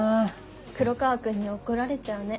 黒川くんに怒られちゃうね。